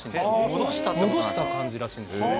戻した感じらしいんですよね。